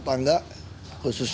apalagi ibu ibu rumah